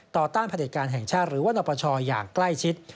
ต้านผลิตการแห่งชาติหรือว่านปชอย่างใกล้ชิด